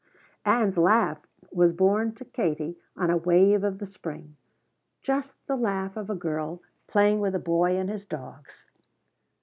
Ann's laugh was borne to Katie on a wave of the spring just the laugh of a girl playing with a boy and his dogs.